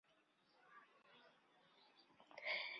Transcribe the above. It also contains organic compounds and water.